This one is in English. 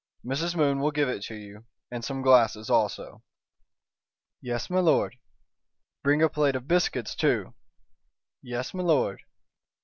Mrs. Moon will give it to you and some glasses also." "Yes, m'lord!" "Bring a plate of biscuits too." "Yes, m'lord!"